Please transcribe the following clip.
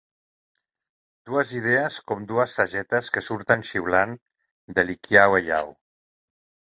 Dues idees com dues sagetes que surten xiulant de l'Hikiau Heiau.